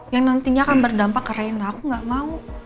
yang nantinya akan berdampak ke rena aku gak mau